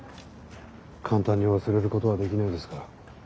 簡単に忘れることはできないですから。